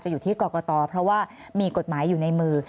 อยู่ที่กรกตเพราะว่ามีกฎหมายอยู่ในมือ